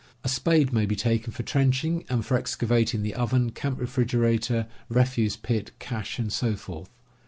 A spade may Jdc taken for trenching, and for excavating the oven, camp refrigerator, refuse pit, cache, and so forth.